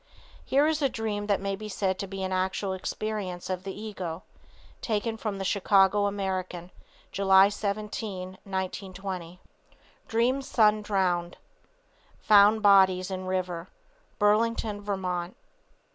Here is a dream that may be said to be an actual experience of the ego. Taken from the Chicago American, July 17, 1920: Dreams sons drowned; found bodies in river, Burlington, Vt.